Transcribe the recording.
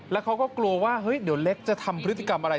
แล้วเขาก็กลัวว่าเฮ้ยเดี๋ยวเล็กจะทำพฤติกรรมอะไร